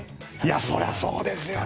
それはそうですよね。